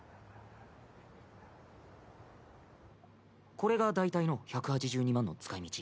これが大体の１８２万の使い道。